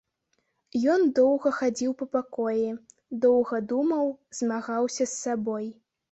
Ён доўга хадзіў па пакоі, доўга думаў, змагаўся з сабой.